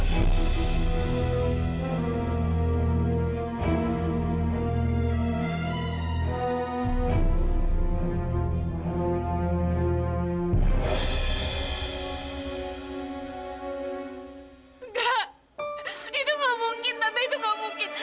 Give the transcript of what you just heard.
enggak itu gak mungkin bapak itu gak mungkin